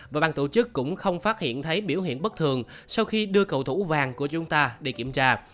và ban tổ chức cũng không phát hiện thấy biểu hiện bất thường sau khi đưa cầu thủ vàng của chúng ta đi kiểm tra